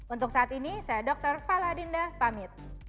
untuk saat ini saya dr fala dinda pamit